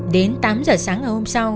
đến tám h sáng ngày hôm sau